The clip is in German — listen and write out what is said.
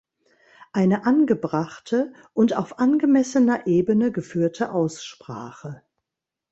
Eine angebrachte und auf angemessener Ebene geführte Aussprache.